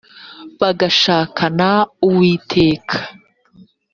bagashakana uwiteka